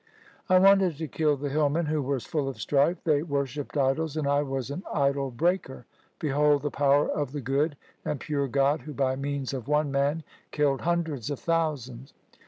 ' I wanted to kill the hillmen who were full of strife. They worshipped idols, and I was an idol breaker. Behold the power of the good and pure God who by means of one man killed hundreds of thousands.